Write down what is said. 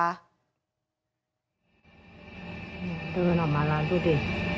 เดินออกมาร้านกุฏิ